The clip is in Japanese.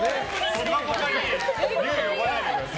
「ぽかぽか」に竜、呼ばないでください。